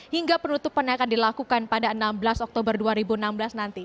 hingga penutupan yang akan dilakukan pada enam belas oktober dua ribu enam belas nanti